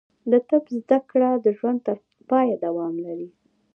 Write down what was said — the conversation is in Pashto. د طب زده کړه د ژوند تر پایه دوام لري.